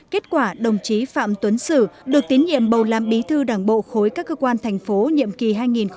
kết quả đồng chí phạm tuấn sử được tiến nhiệm bầu làm bí thư đảng bộ khối các cơ quan thành phố nhiệm kỳ hai nghìn hai mươi hai nghìn hai mươi năm